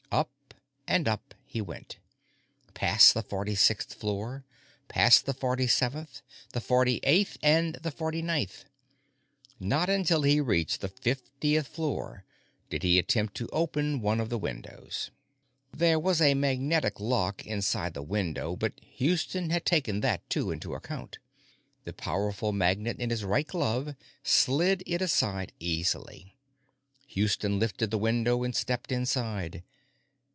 Up and up he went. Past the forty sixth floor, past the forty seventh, the forty eighth, and the forty ninth. Not until he reached the fiftieth floor did he attempt to open one of the windows. There was a magnetic lock inside the window, but Houston had taken that, too, into account. The powerful magnet in his right glove slid it aside easily. Houston lifted the window and stepped inside.